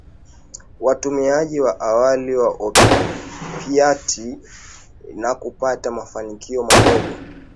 watumiaji wa awali wa opiati na kupata mafanikio madogo